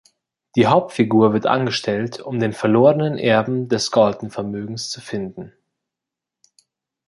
Die Hauptfigur wird angestellt, um den verlorenen Erben des Galton-Vermögens zu finden.